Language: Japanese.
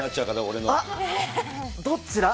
どっちだ？